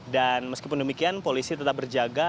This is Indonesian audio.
dan meskipun demikian polisi tetap berjaga